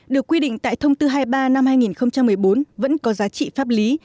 được quy định tại thông tư hai mươi ba năm hai nghìn một mươi bốn vẫn có giá trị pháp lý